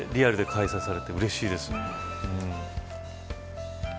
リアルで開催されてうれしいです。